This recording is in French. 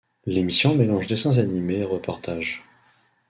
L'émission mélange dessins animés et reportages.